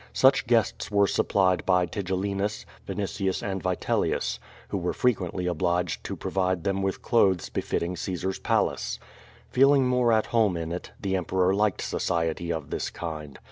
Such guests were supplied by Tigellinus, Vinitius and Vitelius, who were frequently obliged to provide them with clothes befitting Caesar's palace. Feeling more at home in it, the Emperor liked society of this kind.